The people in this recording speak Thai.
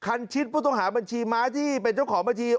ชิดผู้ต้องหาบัญชีม้าที่เป็นเจ้าของบัญชี